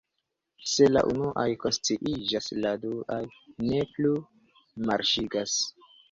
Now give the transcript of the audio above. Se la unuaj konsciiĝas, la duaj ne plu marŝigas.